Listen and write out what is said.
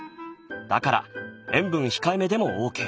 だから塩分控えめでもオーケー。